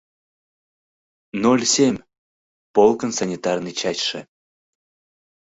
«Ноль семь» — полкын санитарный частьше.